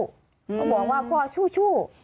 เขาบอกว่าพ่อสู้